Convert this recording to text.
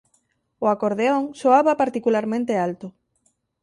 O acordeón soaba particularmente alto.